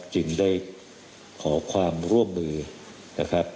จึงได้ขอความร่วมมือนะครับ